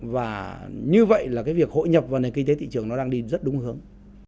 và như vậy là cái việc hội nhập vào nền kinh tế thị trường nó đang đi rất đúng hướng